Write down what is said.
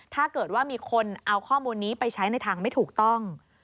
ถ้าเกิดว่ามีคนเอาข้อมูลนี้ไปใช้ในทางไม่ถูกต้อง